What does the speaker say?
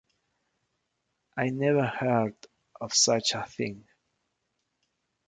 I never heard of such a thing!